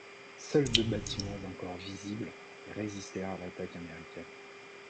Seuls deux bâtiments encore visibles résistèrent à l'attaque américaine.